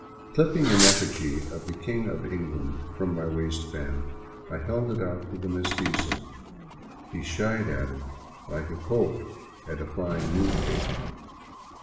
Clipping an effigy of the King of England from my waist band, I held it out to the mestizo. He shied at it like a colt at a flying newspaper.